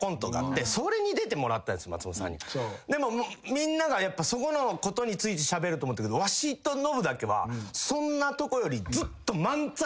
みんながそこのことについてしゃべると思ったけどわしとノブだけはそんなとこよりずっと。